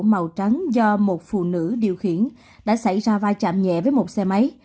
màu trắng do một phụ nữ điều khiển đã xảy ra vai chạm nhẹ với một xe máy